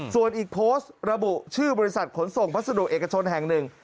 ส่วนอีกโพสต์ระบุชื่อบริษัทขนส่งพัสดุเอกชนแห่งหนึ่ง